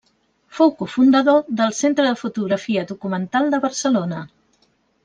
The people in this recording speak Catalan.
Fou cofundador del Centre de Fotografia Documental de Barcelona.